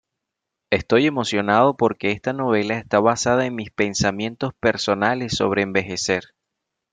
Estoy emocionado porque esta novela está basada en mis pensamientos personales sobre envejecer.